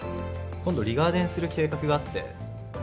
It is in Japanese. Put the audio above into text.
今度リガーデンする計画があって。